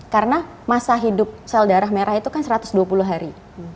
karena masa hidup sel darah merah itu kan satu ratus dua puluh hari